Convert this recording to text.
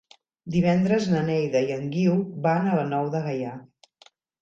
Divendres na Neida i en Guiu van a la Nou de Gaià.